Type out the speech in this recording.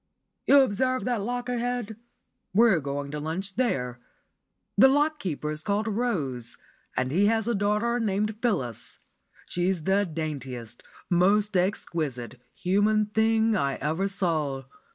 You observe that lock ahead? We're going to lunch there. The lock keeper is called Rose, and he has a daughter named Phyllis. She's the daintiest, most exquisite, human thing I ever saw.